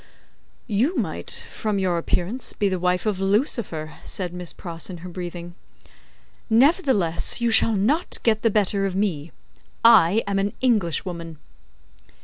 "You might, from your appearance, be the wife of Lucifer," said Miss Pross, in her breathing. "Nevertheless, you shall not get the better of me. I am an Englishwoman."